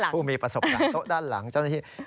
ผู้มีประสบการณ์โต๊ะด้านหลังเจ้าหน้าที่